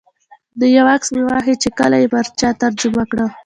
نو یو عکس مې واخیست چې کله یې پر چا ترجمه کړم.